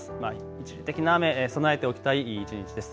一時的な雨、備えておきたい一日です。